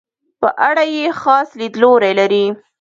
په اړه یې خاص لیدلوری لري.